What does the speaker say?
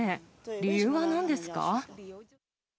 理由はなんですか？